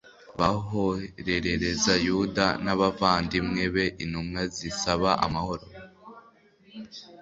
boherereza yuda n'abavandimwe be intumwa zisaba amahoro